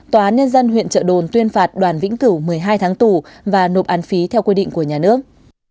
tòa án nhân dân huyện trợ đồn tuyên phạt đoàn vĩnh cửu một mươi hai tháng tù và nộp án phí theo quy định của nhà nước